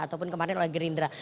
ataupun kemarin oleh gerindra